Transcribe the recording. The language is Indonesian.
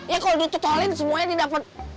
ya kalau ditolain semuanya didapet